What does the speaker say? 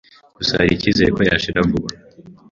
gusa hari icyizere ko yashira vuba